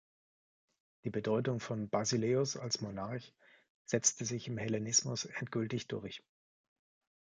Die Bedeutung von „Basileus“ als Monarch setzte sich im Hellenismus endgültig durch.